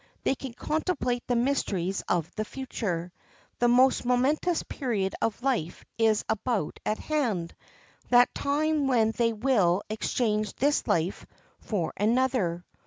They can contemplate the mysteries of the future. The most momentous period of life is about at hand—that time when they will exchange this life for another.